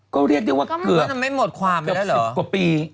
ก็เรียกได้ว่าเกือบ๑๐กว่าปี